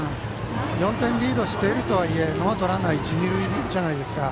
４点リードしているとはいえノーアウト、ランナー一、二塁じゃないですか。